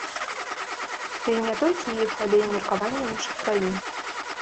Ды і не толькі іх, але і меркавання іншых краін.